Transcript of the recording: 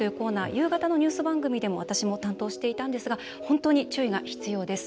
夕方のニュースでも私も担当していたんですが本当に注意が必要です。